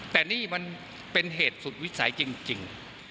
แต่นี่มันเป็นเหตุสุดวิสัยจริง